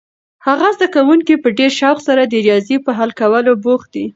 هغه زده کوونکی په ډېر شوق سره د ریاضي په حل کولو بوخت دی.